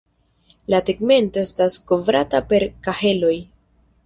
La tegmento estas kovrata per kaheloj.